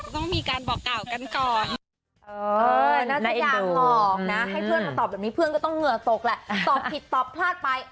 ตอบผิดตอบพลาดไป